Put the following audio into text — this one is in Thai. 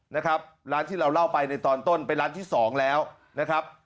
นะครับร้านที่เราเล่าไปในตอนต้นเป็นร้านที่สองแล้วนะครับ